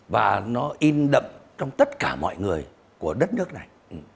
và nó in đậm trong tất cả mọi người của đất nước này